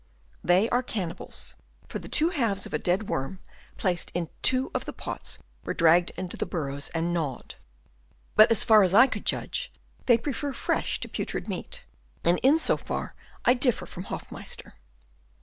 They are cannibals, for the two halves of a dead worm placed in two of the pots were dragged into the burrows and gnawed ; but as far as I could judge, they prefer fresh to putrid meat, and in so far I differ from Hoffmeister.